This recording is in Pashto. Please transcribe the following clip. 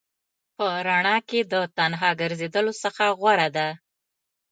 په رڼا کې د تنها ګرځېدلو څخه غوره ده.